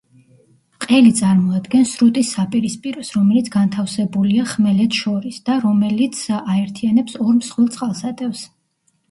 ყელი წარმოადგენს სრუტის საპირისპიროს, რომელიც განთავსებულია ხმელეთს შორის და რომელიც აერთიანებს ორ მსხვილ წყალსატევს.